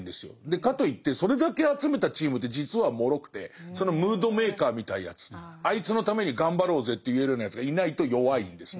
かといってそれだけ集めたチームって実はもろくてそのムードメーカーみたいなやつあいつのために頑張ろうぜって言えるようなやつがいないと弱いんですね。